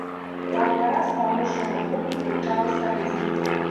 Да алтара з паўночнага боку далучалася рызніца.